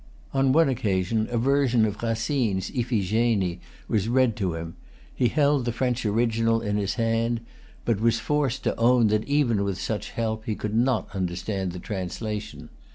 On one occasion a version of Racine's Iphigénie was read to him. He held the French original in his hand; but was forced to own that even with such help he could not understand the translation.